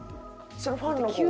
そのファンの子を？